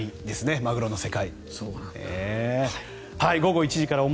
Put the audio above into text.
マグロの世界。